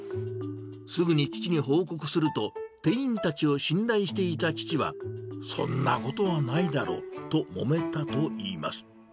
すぐに父に報告すると、店員たちを信頼していた父は、そんなことはないだろうともめたといいます。